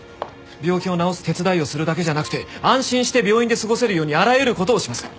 病気を治す手伝いをするだけじゃなくて安心して病院で過ごせるようにあらゆる事をします。